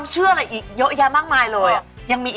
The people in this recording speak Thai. อ๋อเหรอนี่